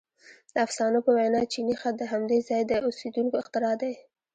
• د افسانو په وینا چیني خط د همدې ځای د اوسېدونکو اختراع دی.